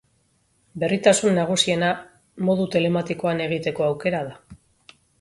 Berritasun nagusiena modu telematikoan egiteko aukera da.